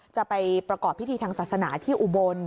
จะไปประกอบพิธีทางศาสนาที่อุบล